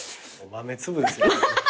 豆粒ですよ。